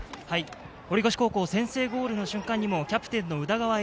堀越高校、先制ゴールの瞬間にもキャプテンの宇田川瑛